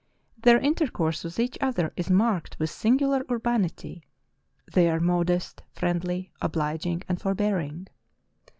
"Their intercourse with each other is marked with singular urbanity; they are modest, friendly, obliging, and forbearing.